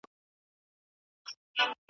د مېړه له بدرنګیه کړېدله .